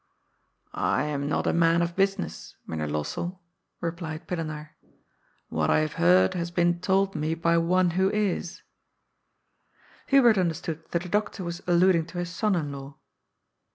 " I am not a man of business, Mynheer Lossell," replied Pillenaar. "What I have heard has been told me by one ^ho is " Hubert understood that the doctor was alluding to his son in law.